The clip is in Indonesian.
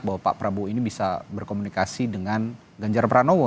bahwa pak prabowo ini bisa berkomunikasi dengan ganjar pranowo